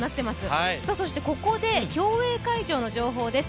そしてここで競泳会場の情報です。